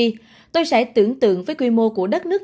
ông anthony fauci nói tôi sẽ tưởng tượng với quy mô của đất nước